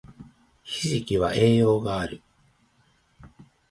ひじきは栄養がある